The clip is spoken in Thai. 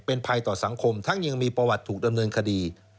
เป็นภัยต่อสังคมทั้งยังมีประวัติถูกดำเนินคดี